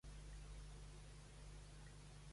Hutto depèn del districte escolar independent de Hutto.